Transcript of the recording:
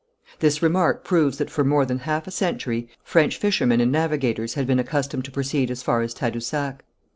This remark proves that for more than half a century French fishermen and navigators had been accustomed to proceed as far as Tadousac.